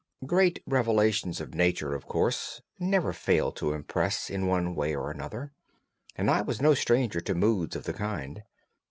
Great revelations of nature, of course, never fail to impress in one way or another, and I was no stranger to moods of the kind.